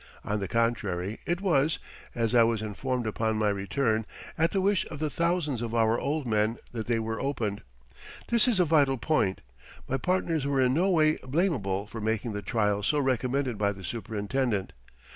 On the contrary, it was, as I was informed upon my return, at the wish of the thousands of our old men that they were opened. This is a vital point. My partners were in no way blamable for making the trial so recommended by the superintendent.